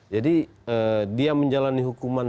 jadi dia menjalani hukuman